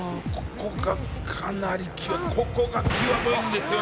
ここがかなり際どいここが際どいんですよね。